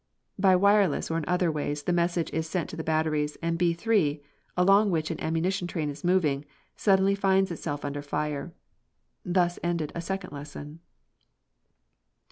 By wireless or in other ways the message is sent to the batteries, and B 3, along which an ammunition train is moving, suddenly finds itself under fire. Thus ended the second lesson!